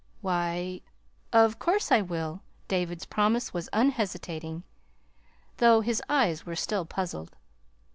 "Why, of course I will!" David's promise was unhesitating, though his eyes were still puzzled.